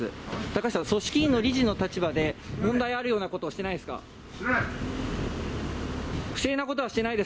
高橋さん、組織委の理事の立場で、問題あるようなことはしてないでしてない。